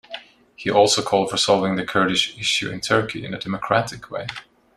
He also called for solving the Kurdish issue in Turkey in a democratic way.